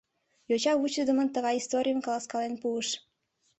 — Йоча вучыдымын тыгай историйым каласкален пуыш.